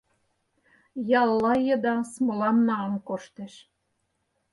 Ялла еда смолам налын коштеш.